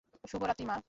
শুভ রাত্রি, মা।